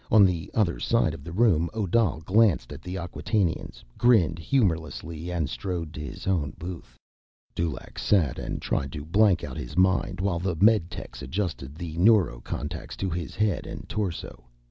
On the other side of the room, Odal glanced at the Acquatainians, grinned humorlessly, and strode to his own booth. Dulaq sat and tried to blank out his mind while the meditechs adjusted the neurocontacts to his head and torso.